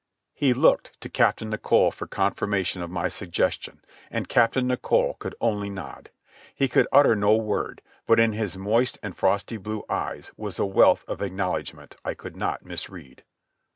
He looked to Captain Nicholl for confirmation of my suggestion, and Captain Nicholl could only nod. He could utter no word, but in his moist and frosty blue eyes was a wealth of acknowledgment I could not misread.